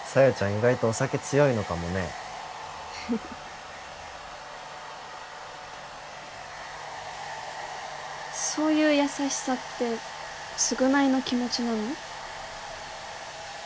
意外とお酒強いのかもねそういう優しさって償いの気持ちなの？